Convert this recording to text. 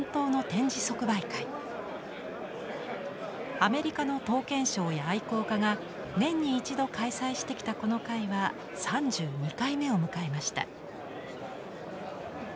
アメリカの刀剣商や愛好家が年に一度開催してきたこの会は３２回目を迎えました。